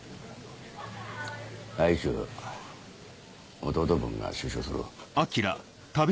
来週弟分が出所する。